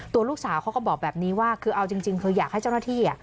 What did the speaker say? ตัวลูกสาวเขาก็บอกแบบนี้ว่าคือเอาจริงคืออยากให้เจ้าหน้าที่